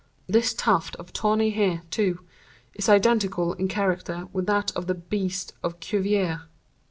This tuft of tawny hair, too, is identical in character with that of the beast of Cuvier.